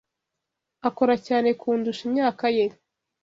Akora cyane kundusha imyaka ye.